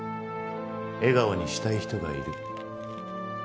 笑顔にしたい人がいる。